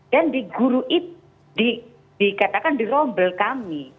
dan di guru itu dikatakan di rombel kami